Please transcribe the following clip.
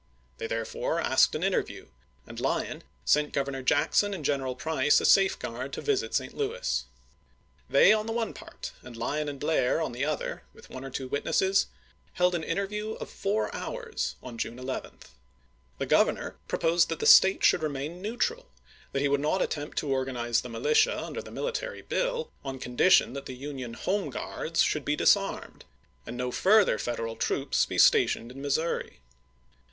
They therefore asked an interview, and Lyon sent Governor Jack son and General Price a safeguard to visit St. Louis. They on the one part, and Lyon and Blair on the other, with one or two witnesses, held an interview of four hours on June 11. The Governor proposed that the State should remain neutral ; that he would not attempt to organize the militia under the military bill, on condition that the Union Home Guards should be disarmed and no further Federal troops should be stationed in Missouri.